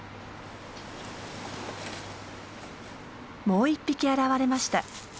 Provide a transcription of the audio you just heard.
もう１匹現れました。